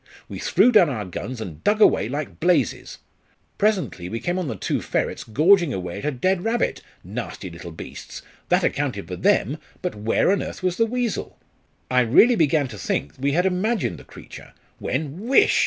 We threw down our guns and dug away like blazes. Presently we came on the two ferrets gorging away at a dead rabbit, nasty little beasts! that accounted for them; but where on earth was the weasel? I really began to think we had imagined the creature, when, whish!